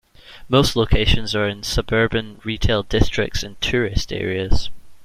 Most locations are in suburban retail districts and tourist areas.